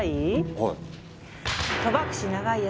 はい。